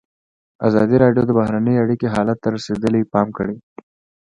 ازادي راډیو د بهرنۍ اړیکې حالت ته رسېدلي پام کړی.